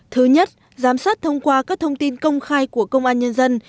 thứ nhất giám sát thông qua các thông tin công khai của công an nhân dân